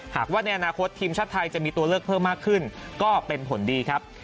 หากว่าในอนาคตทีมชาติไทยจะมีตัวเลือกเพิ่มมากขึ้นก็เป็นผลดีครับ